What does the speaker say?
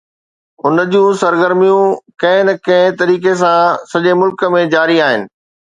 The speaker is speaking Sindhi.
ان جون سرگرميون ڪنهن نه ڪنهن طريقي سان سڄي ملڪ ۾ جاري آهن.